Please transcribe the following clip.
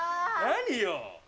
何よ。